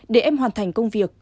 để em hoàn thành công việc